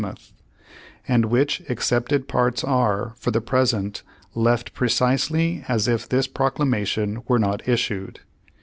outh), and which excepted parts are, for the present, left precisely as if this proclamation were not issued.